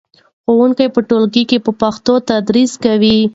ښوونکي په ټولګي کې په پښتو تدریس کوي.